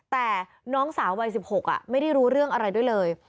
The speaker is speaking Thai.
แต่น้องสาววัย๑๖ไม่ได้รู้เรื่องอะไรด้วยเลย